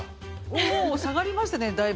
おお下がりましたねだいぶ。